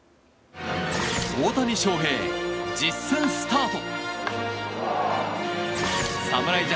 大谷翔平、実戦スタート。